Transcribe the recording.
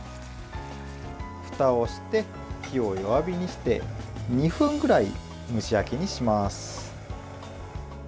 ふたをして、火を弱火にして２分ぐらい蒸し焼きにします。